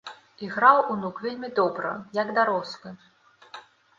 Іграў унук вельмі добра, як дарослы.